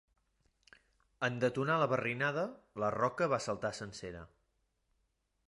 En detonar la barrinada, la roca va saltar sencera.